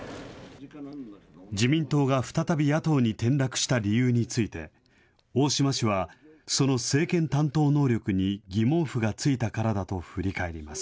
自民党が再び野党に転落した理由について、大島氏はその政権担当能力に疑問符がついたからだと振り返ります。